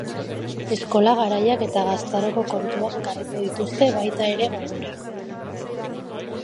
Eskola garaiak eta gaztaroko kontuak ekarriko dituzte baita ere gogora.